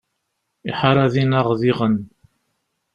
Iḥar ad inaɣ diɣen.